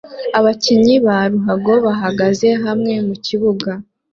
Abakinyi ba ruhago bahagaze hamwe mukibuga